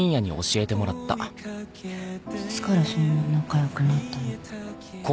いつからそんな仲良くなったの？